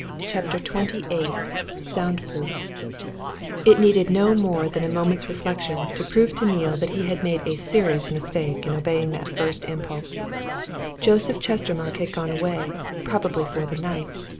CHAPTER XXVIII SOUND PROOF It needed no more than a moment's reflection to prove to Neale that he had made a serious mistake in obeying that first impulse. Joseph Chestermarke had gone away probably for the night.